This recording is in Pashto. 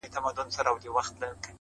هره ورځ نوی درس وړاندې کوي.!